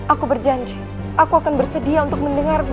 aku berjanji aku akan bersedia untuk mendengarmu